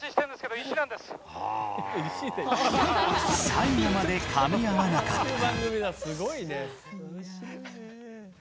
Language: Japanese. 最後まで噛み合わなかった。